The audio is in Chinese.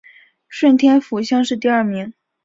顺天府乡试第二名。